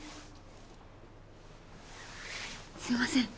すいません